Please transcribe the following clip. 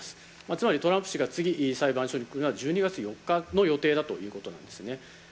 つまりトランプ氏が次の裁判所に来るのは１２月４日の予定だということなんですね。